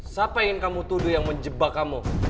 siapa yang kamu tuduh yang menjebak kamu